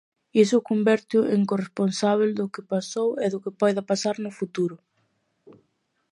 Iso convérteo en corresponsábel do que pasou e do que poida pasar no futuro.